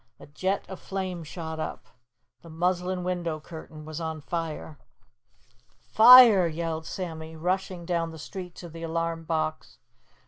A jet of flame shot up. The muslin window curtain was on fire. "Fire!!!" yelled Sammy, dashing down the street to the alarm box.